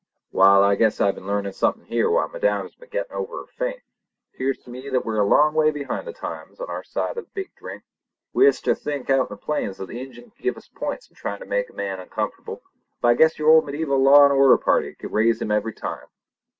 "Wall, I guess I've been learnin' somethin' here while madam has been gettin' over her faint. "Pears to me that we're a long way behind the times on our side of the big drink. We uster think out on the plains that the Injun could give us points in tryin' to make a man uncomfortable; but I guess your old mediaeval law and order party could raise him every time.